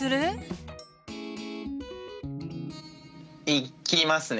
いきますね。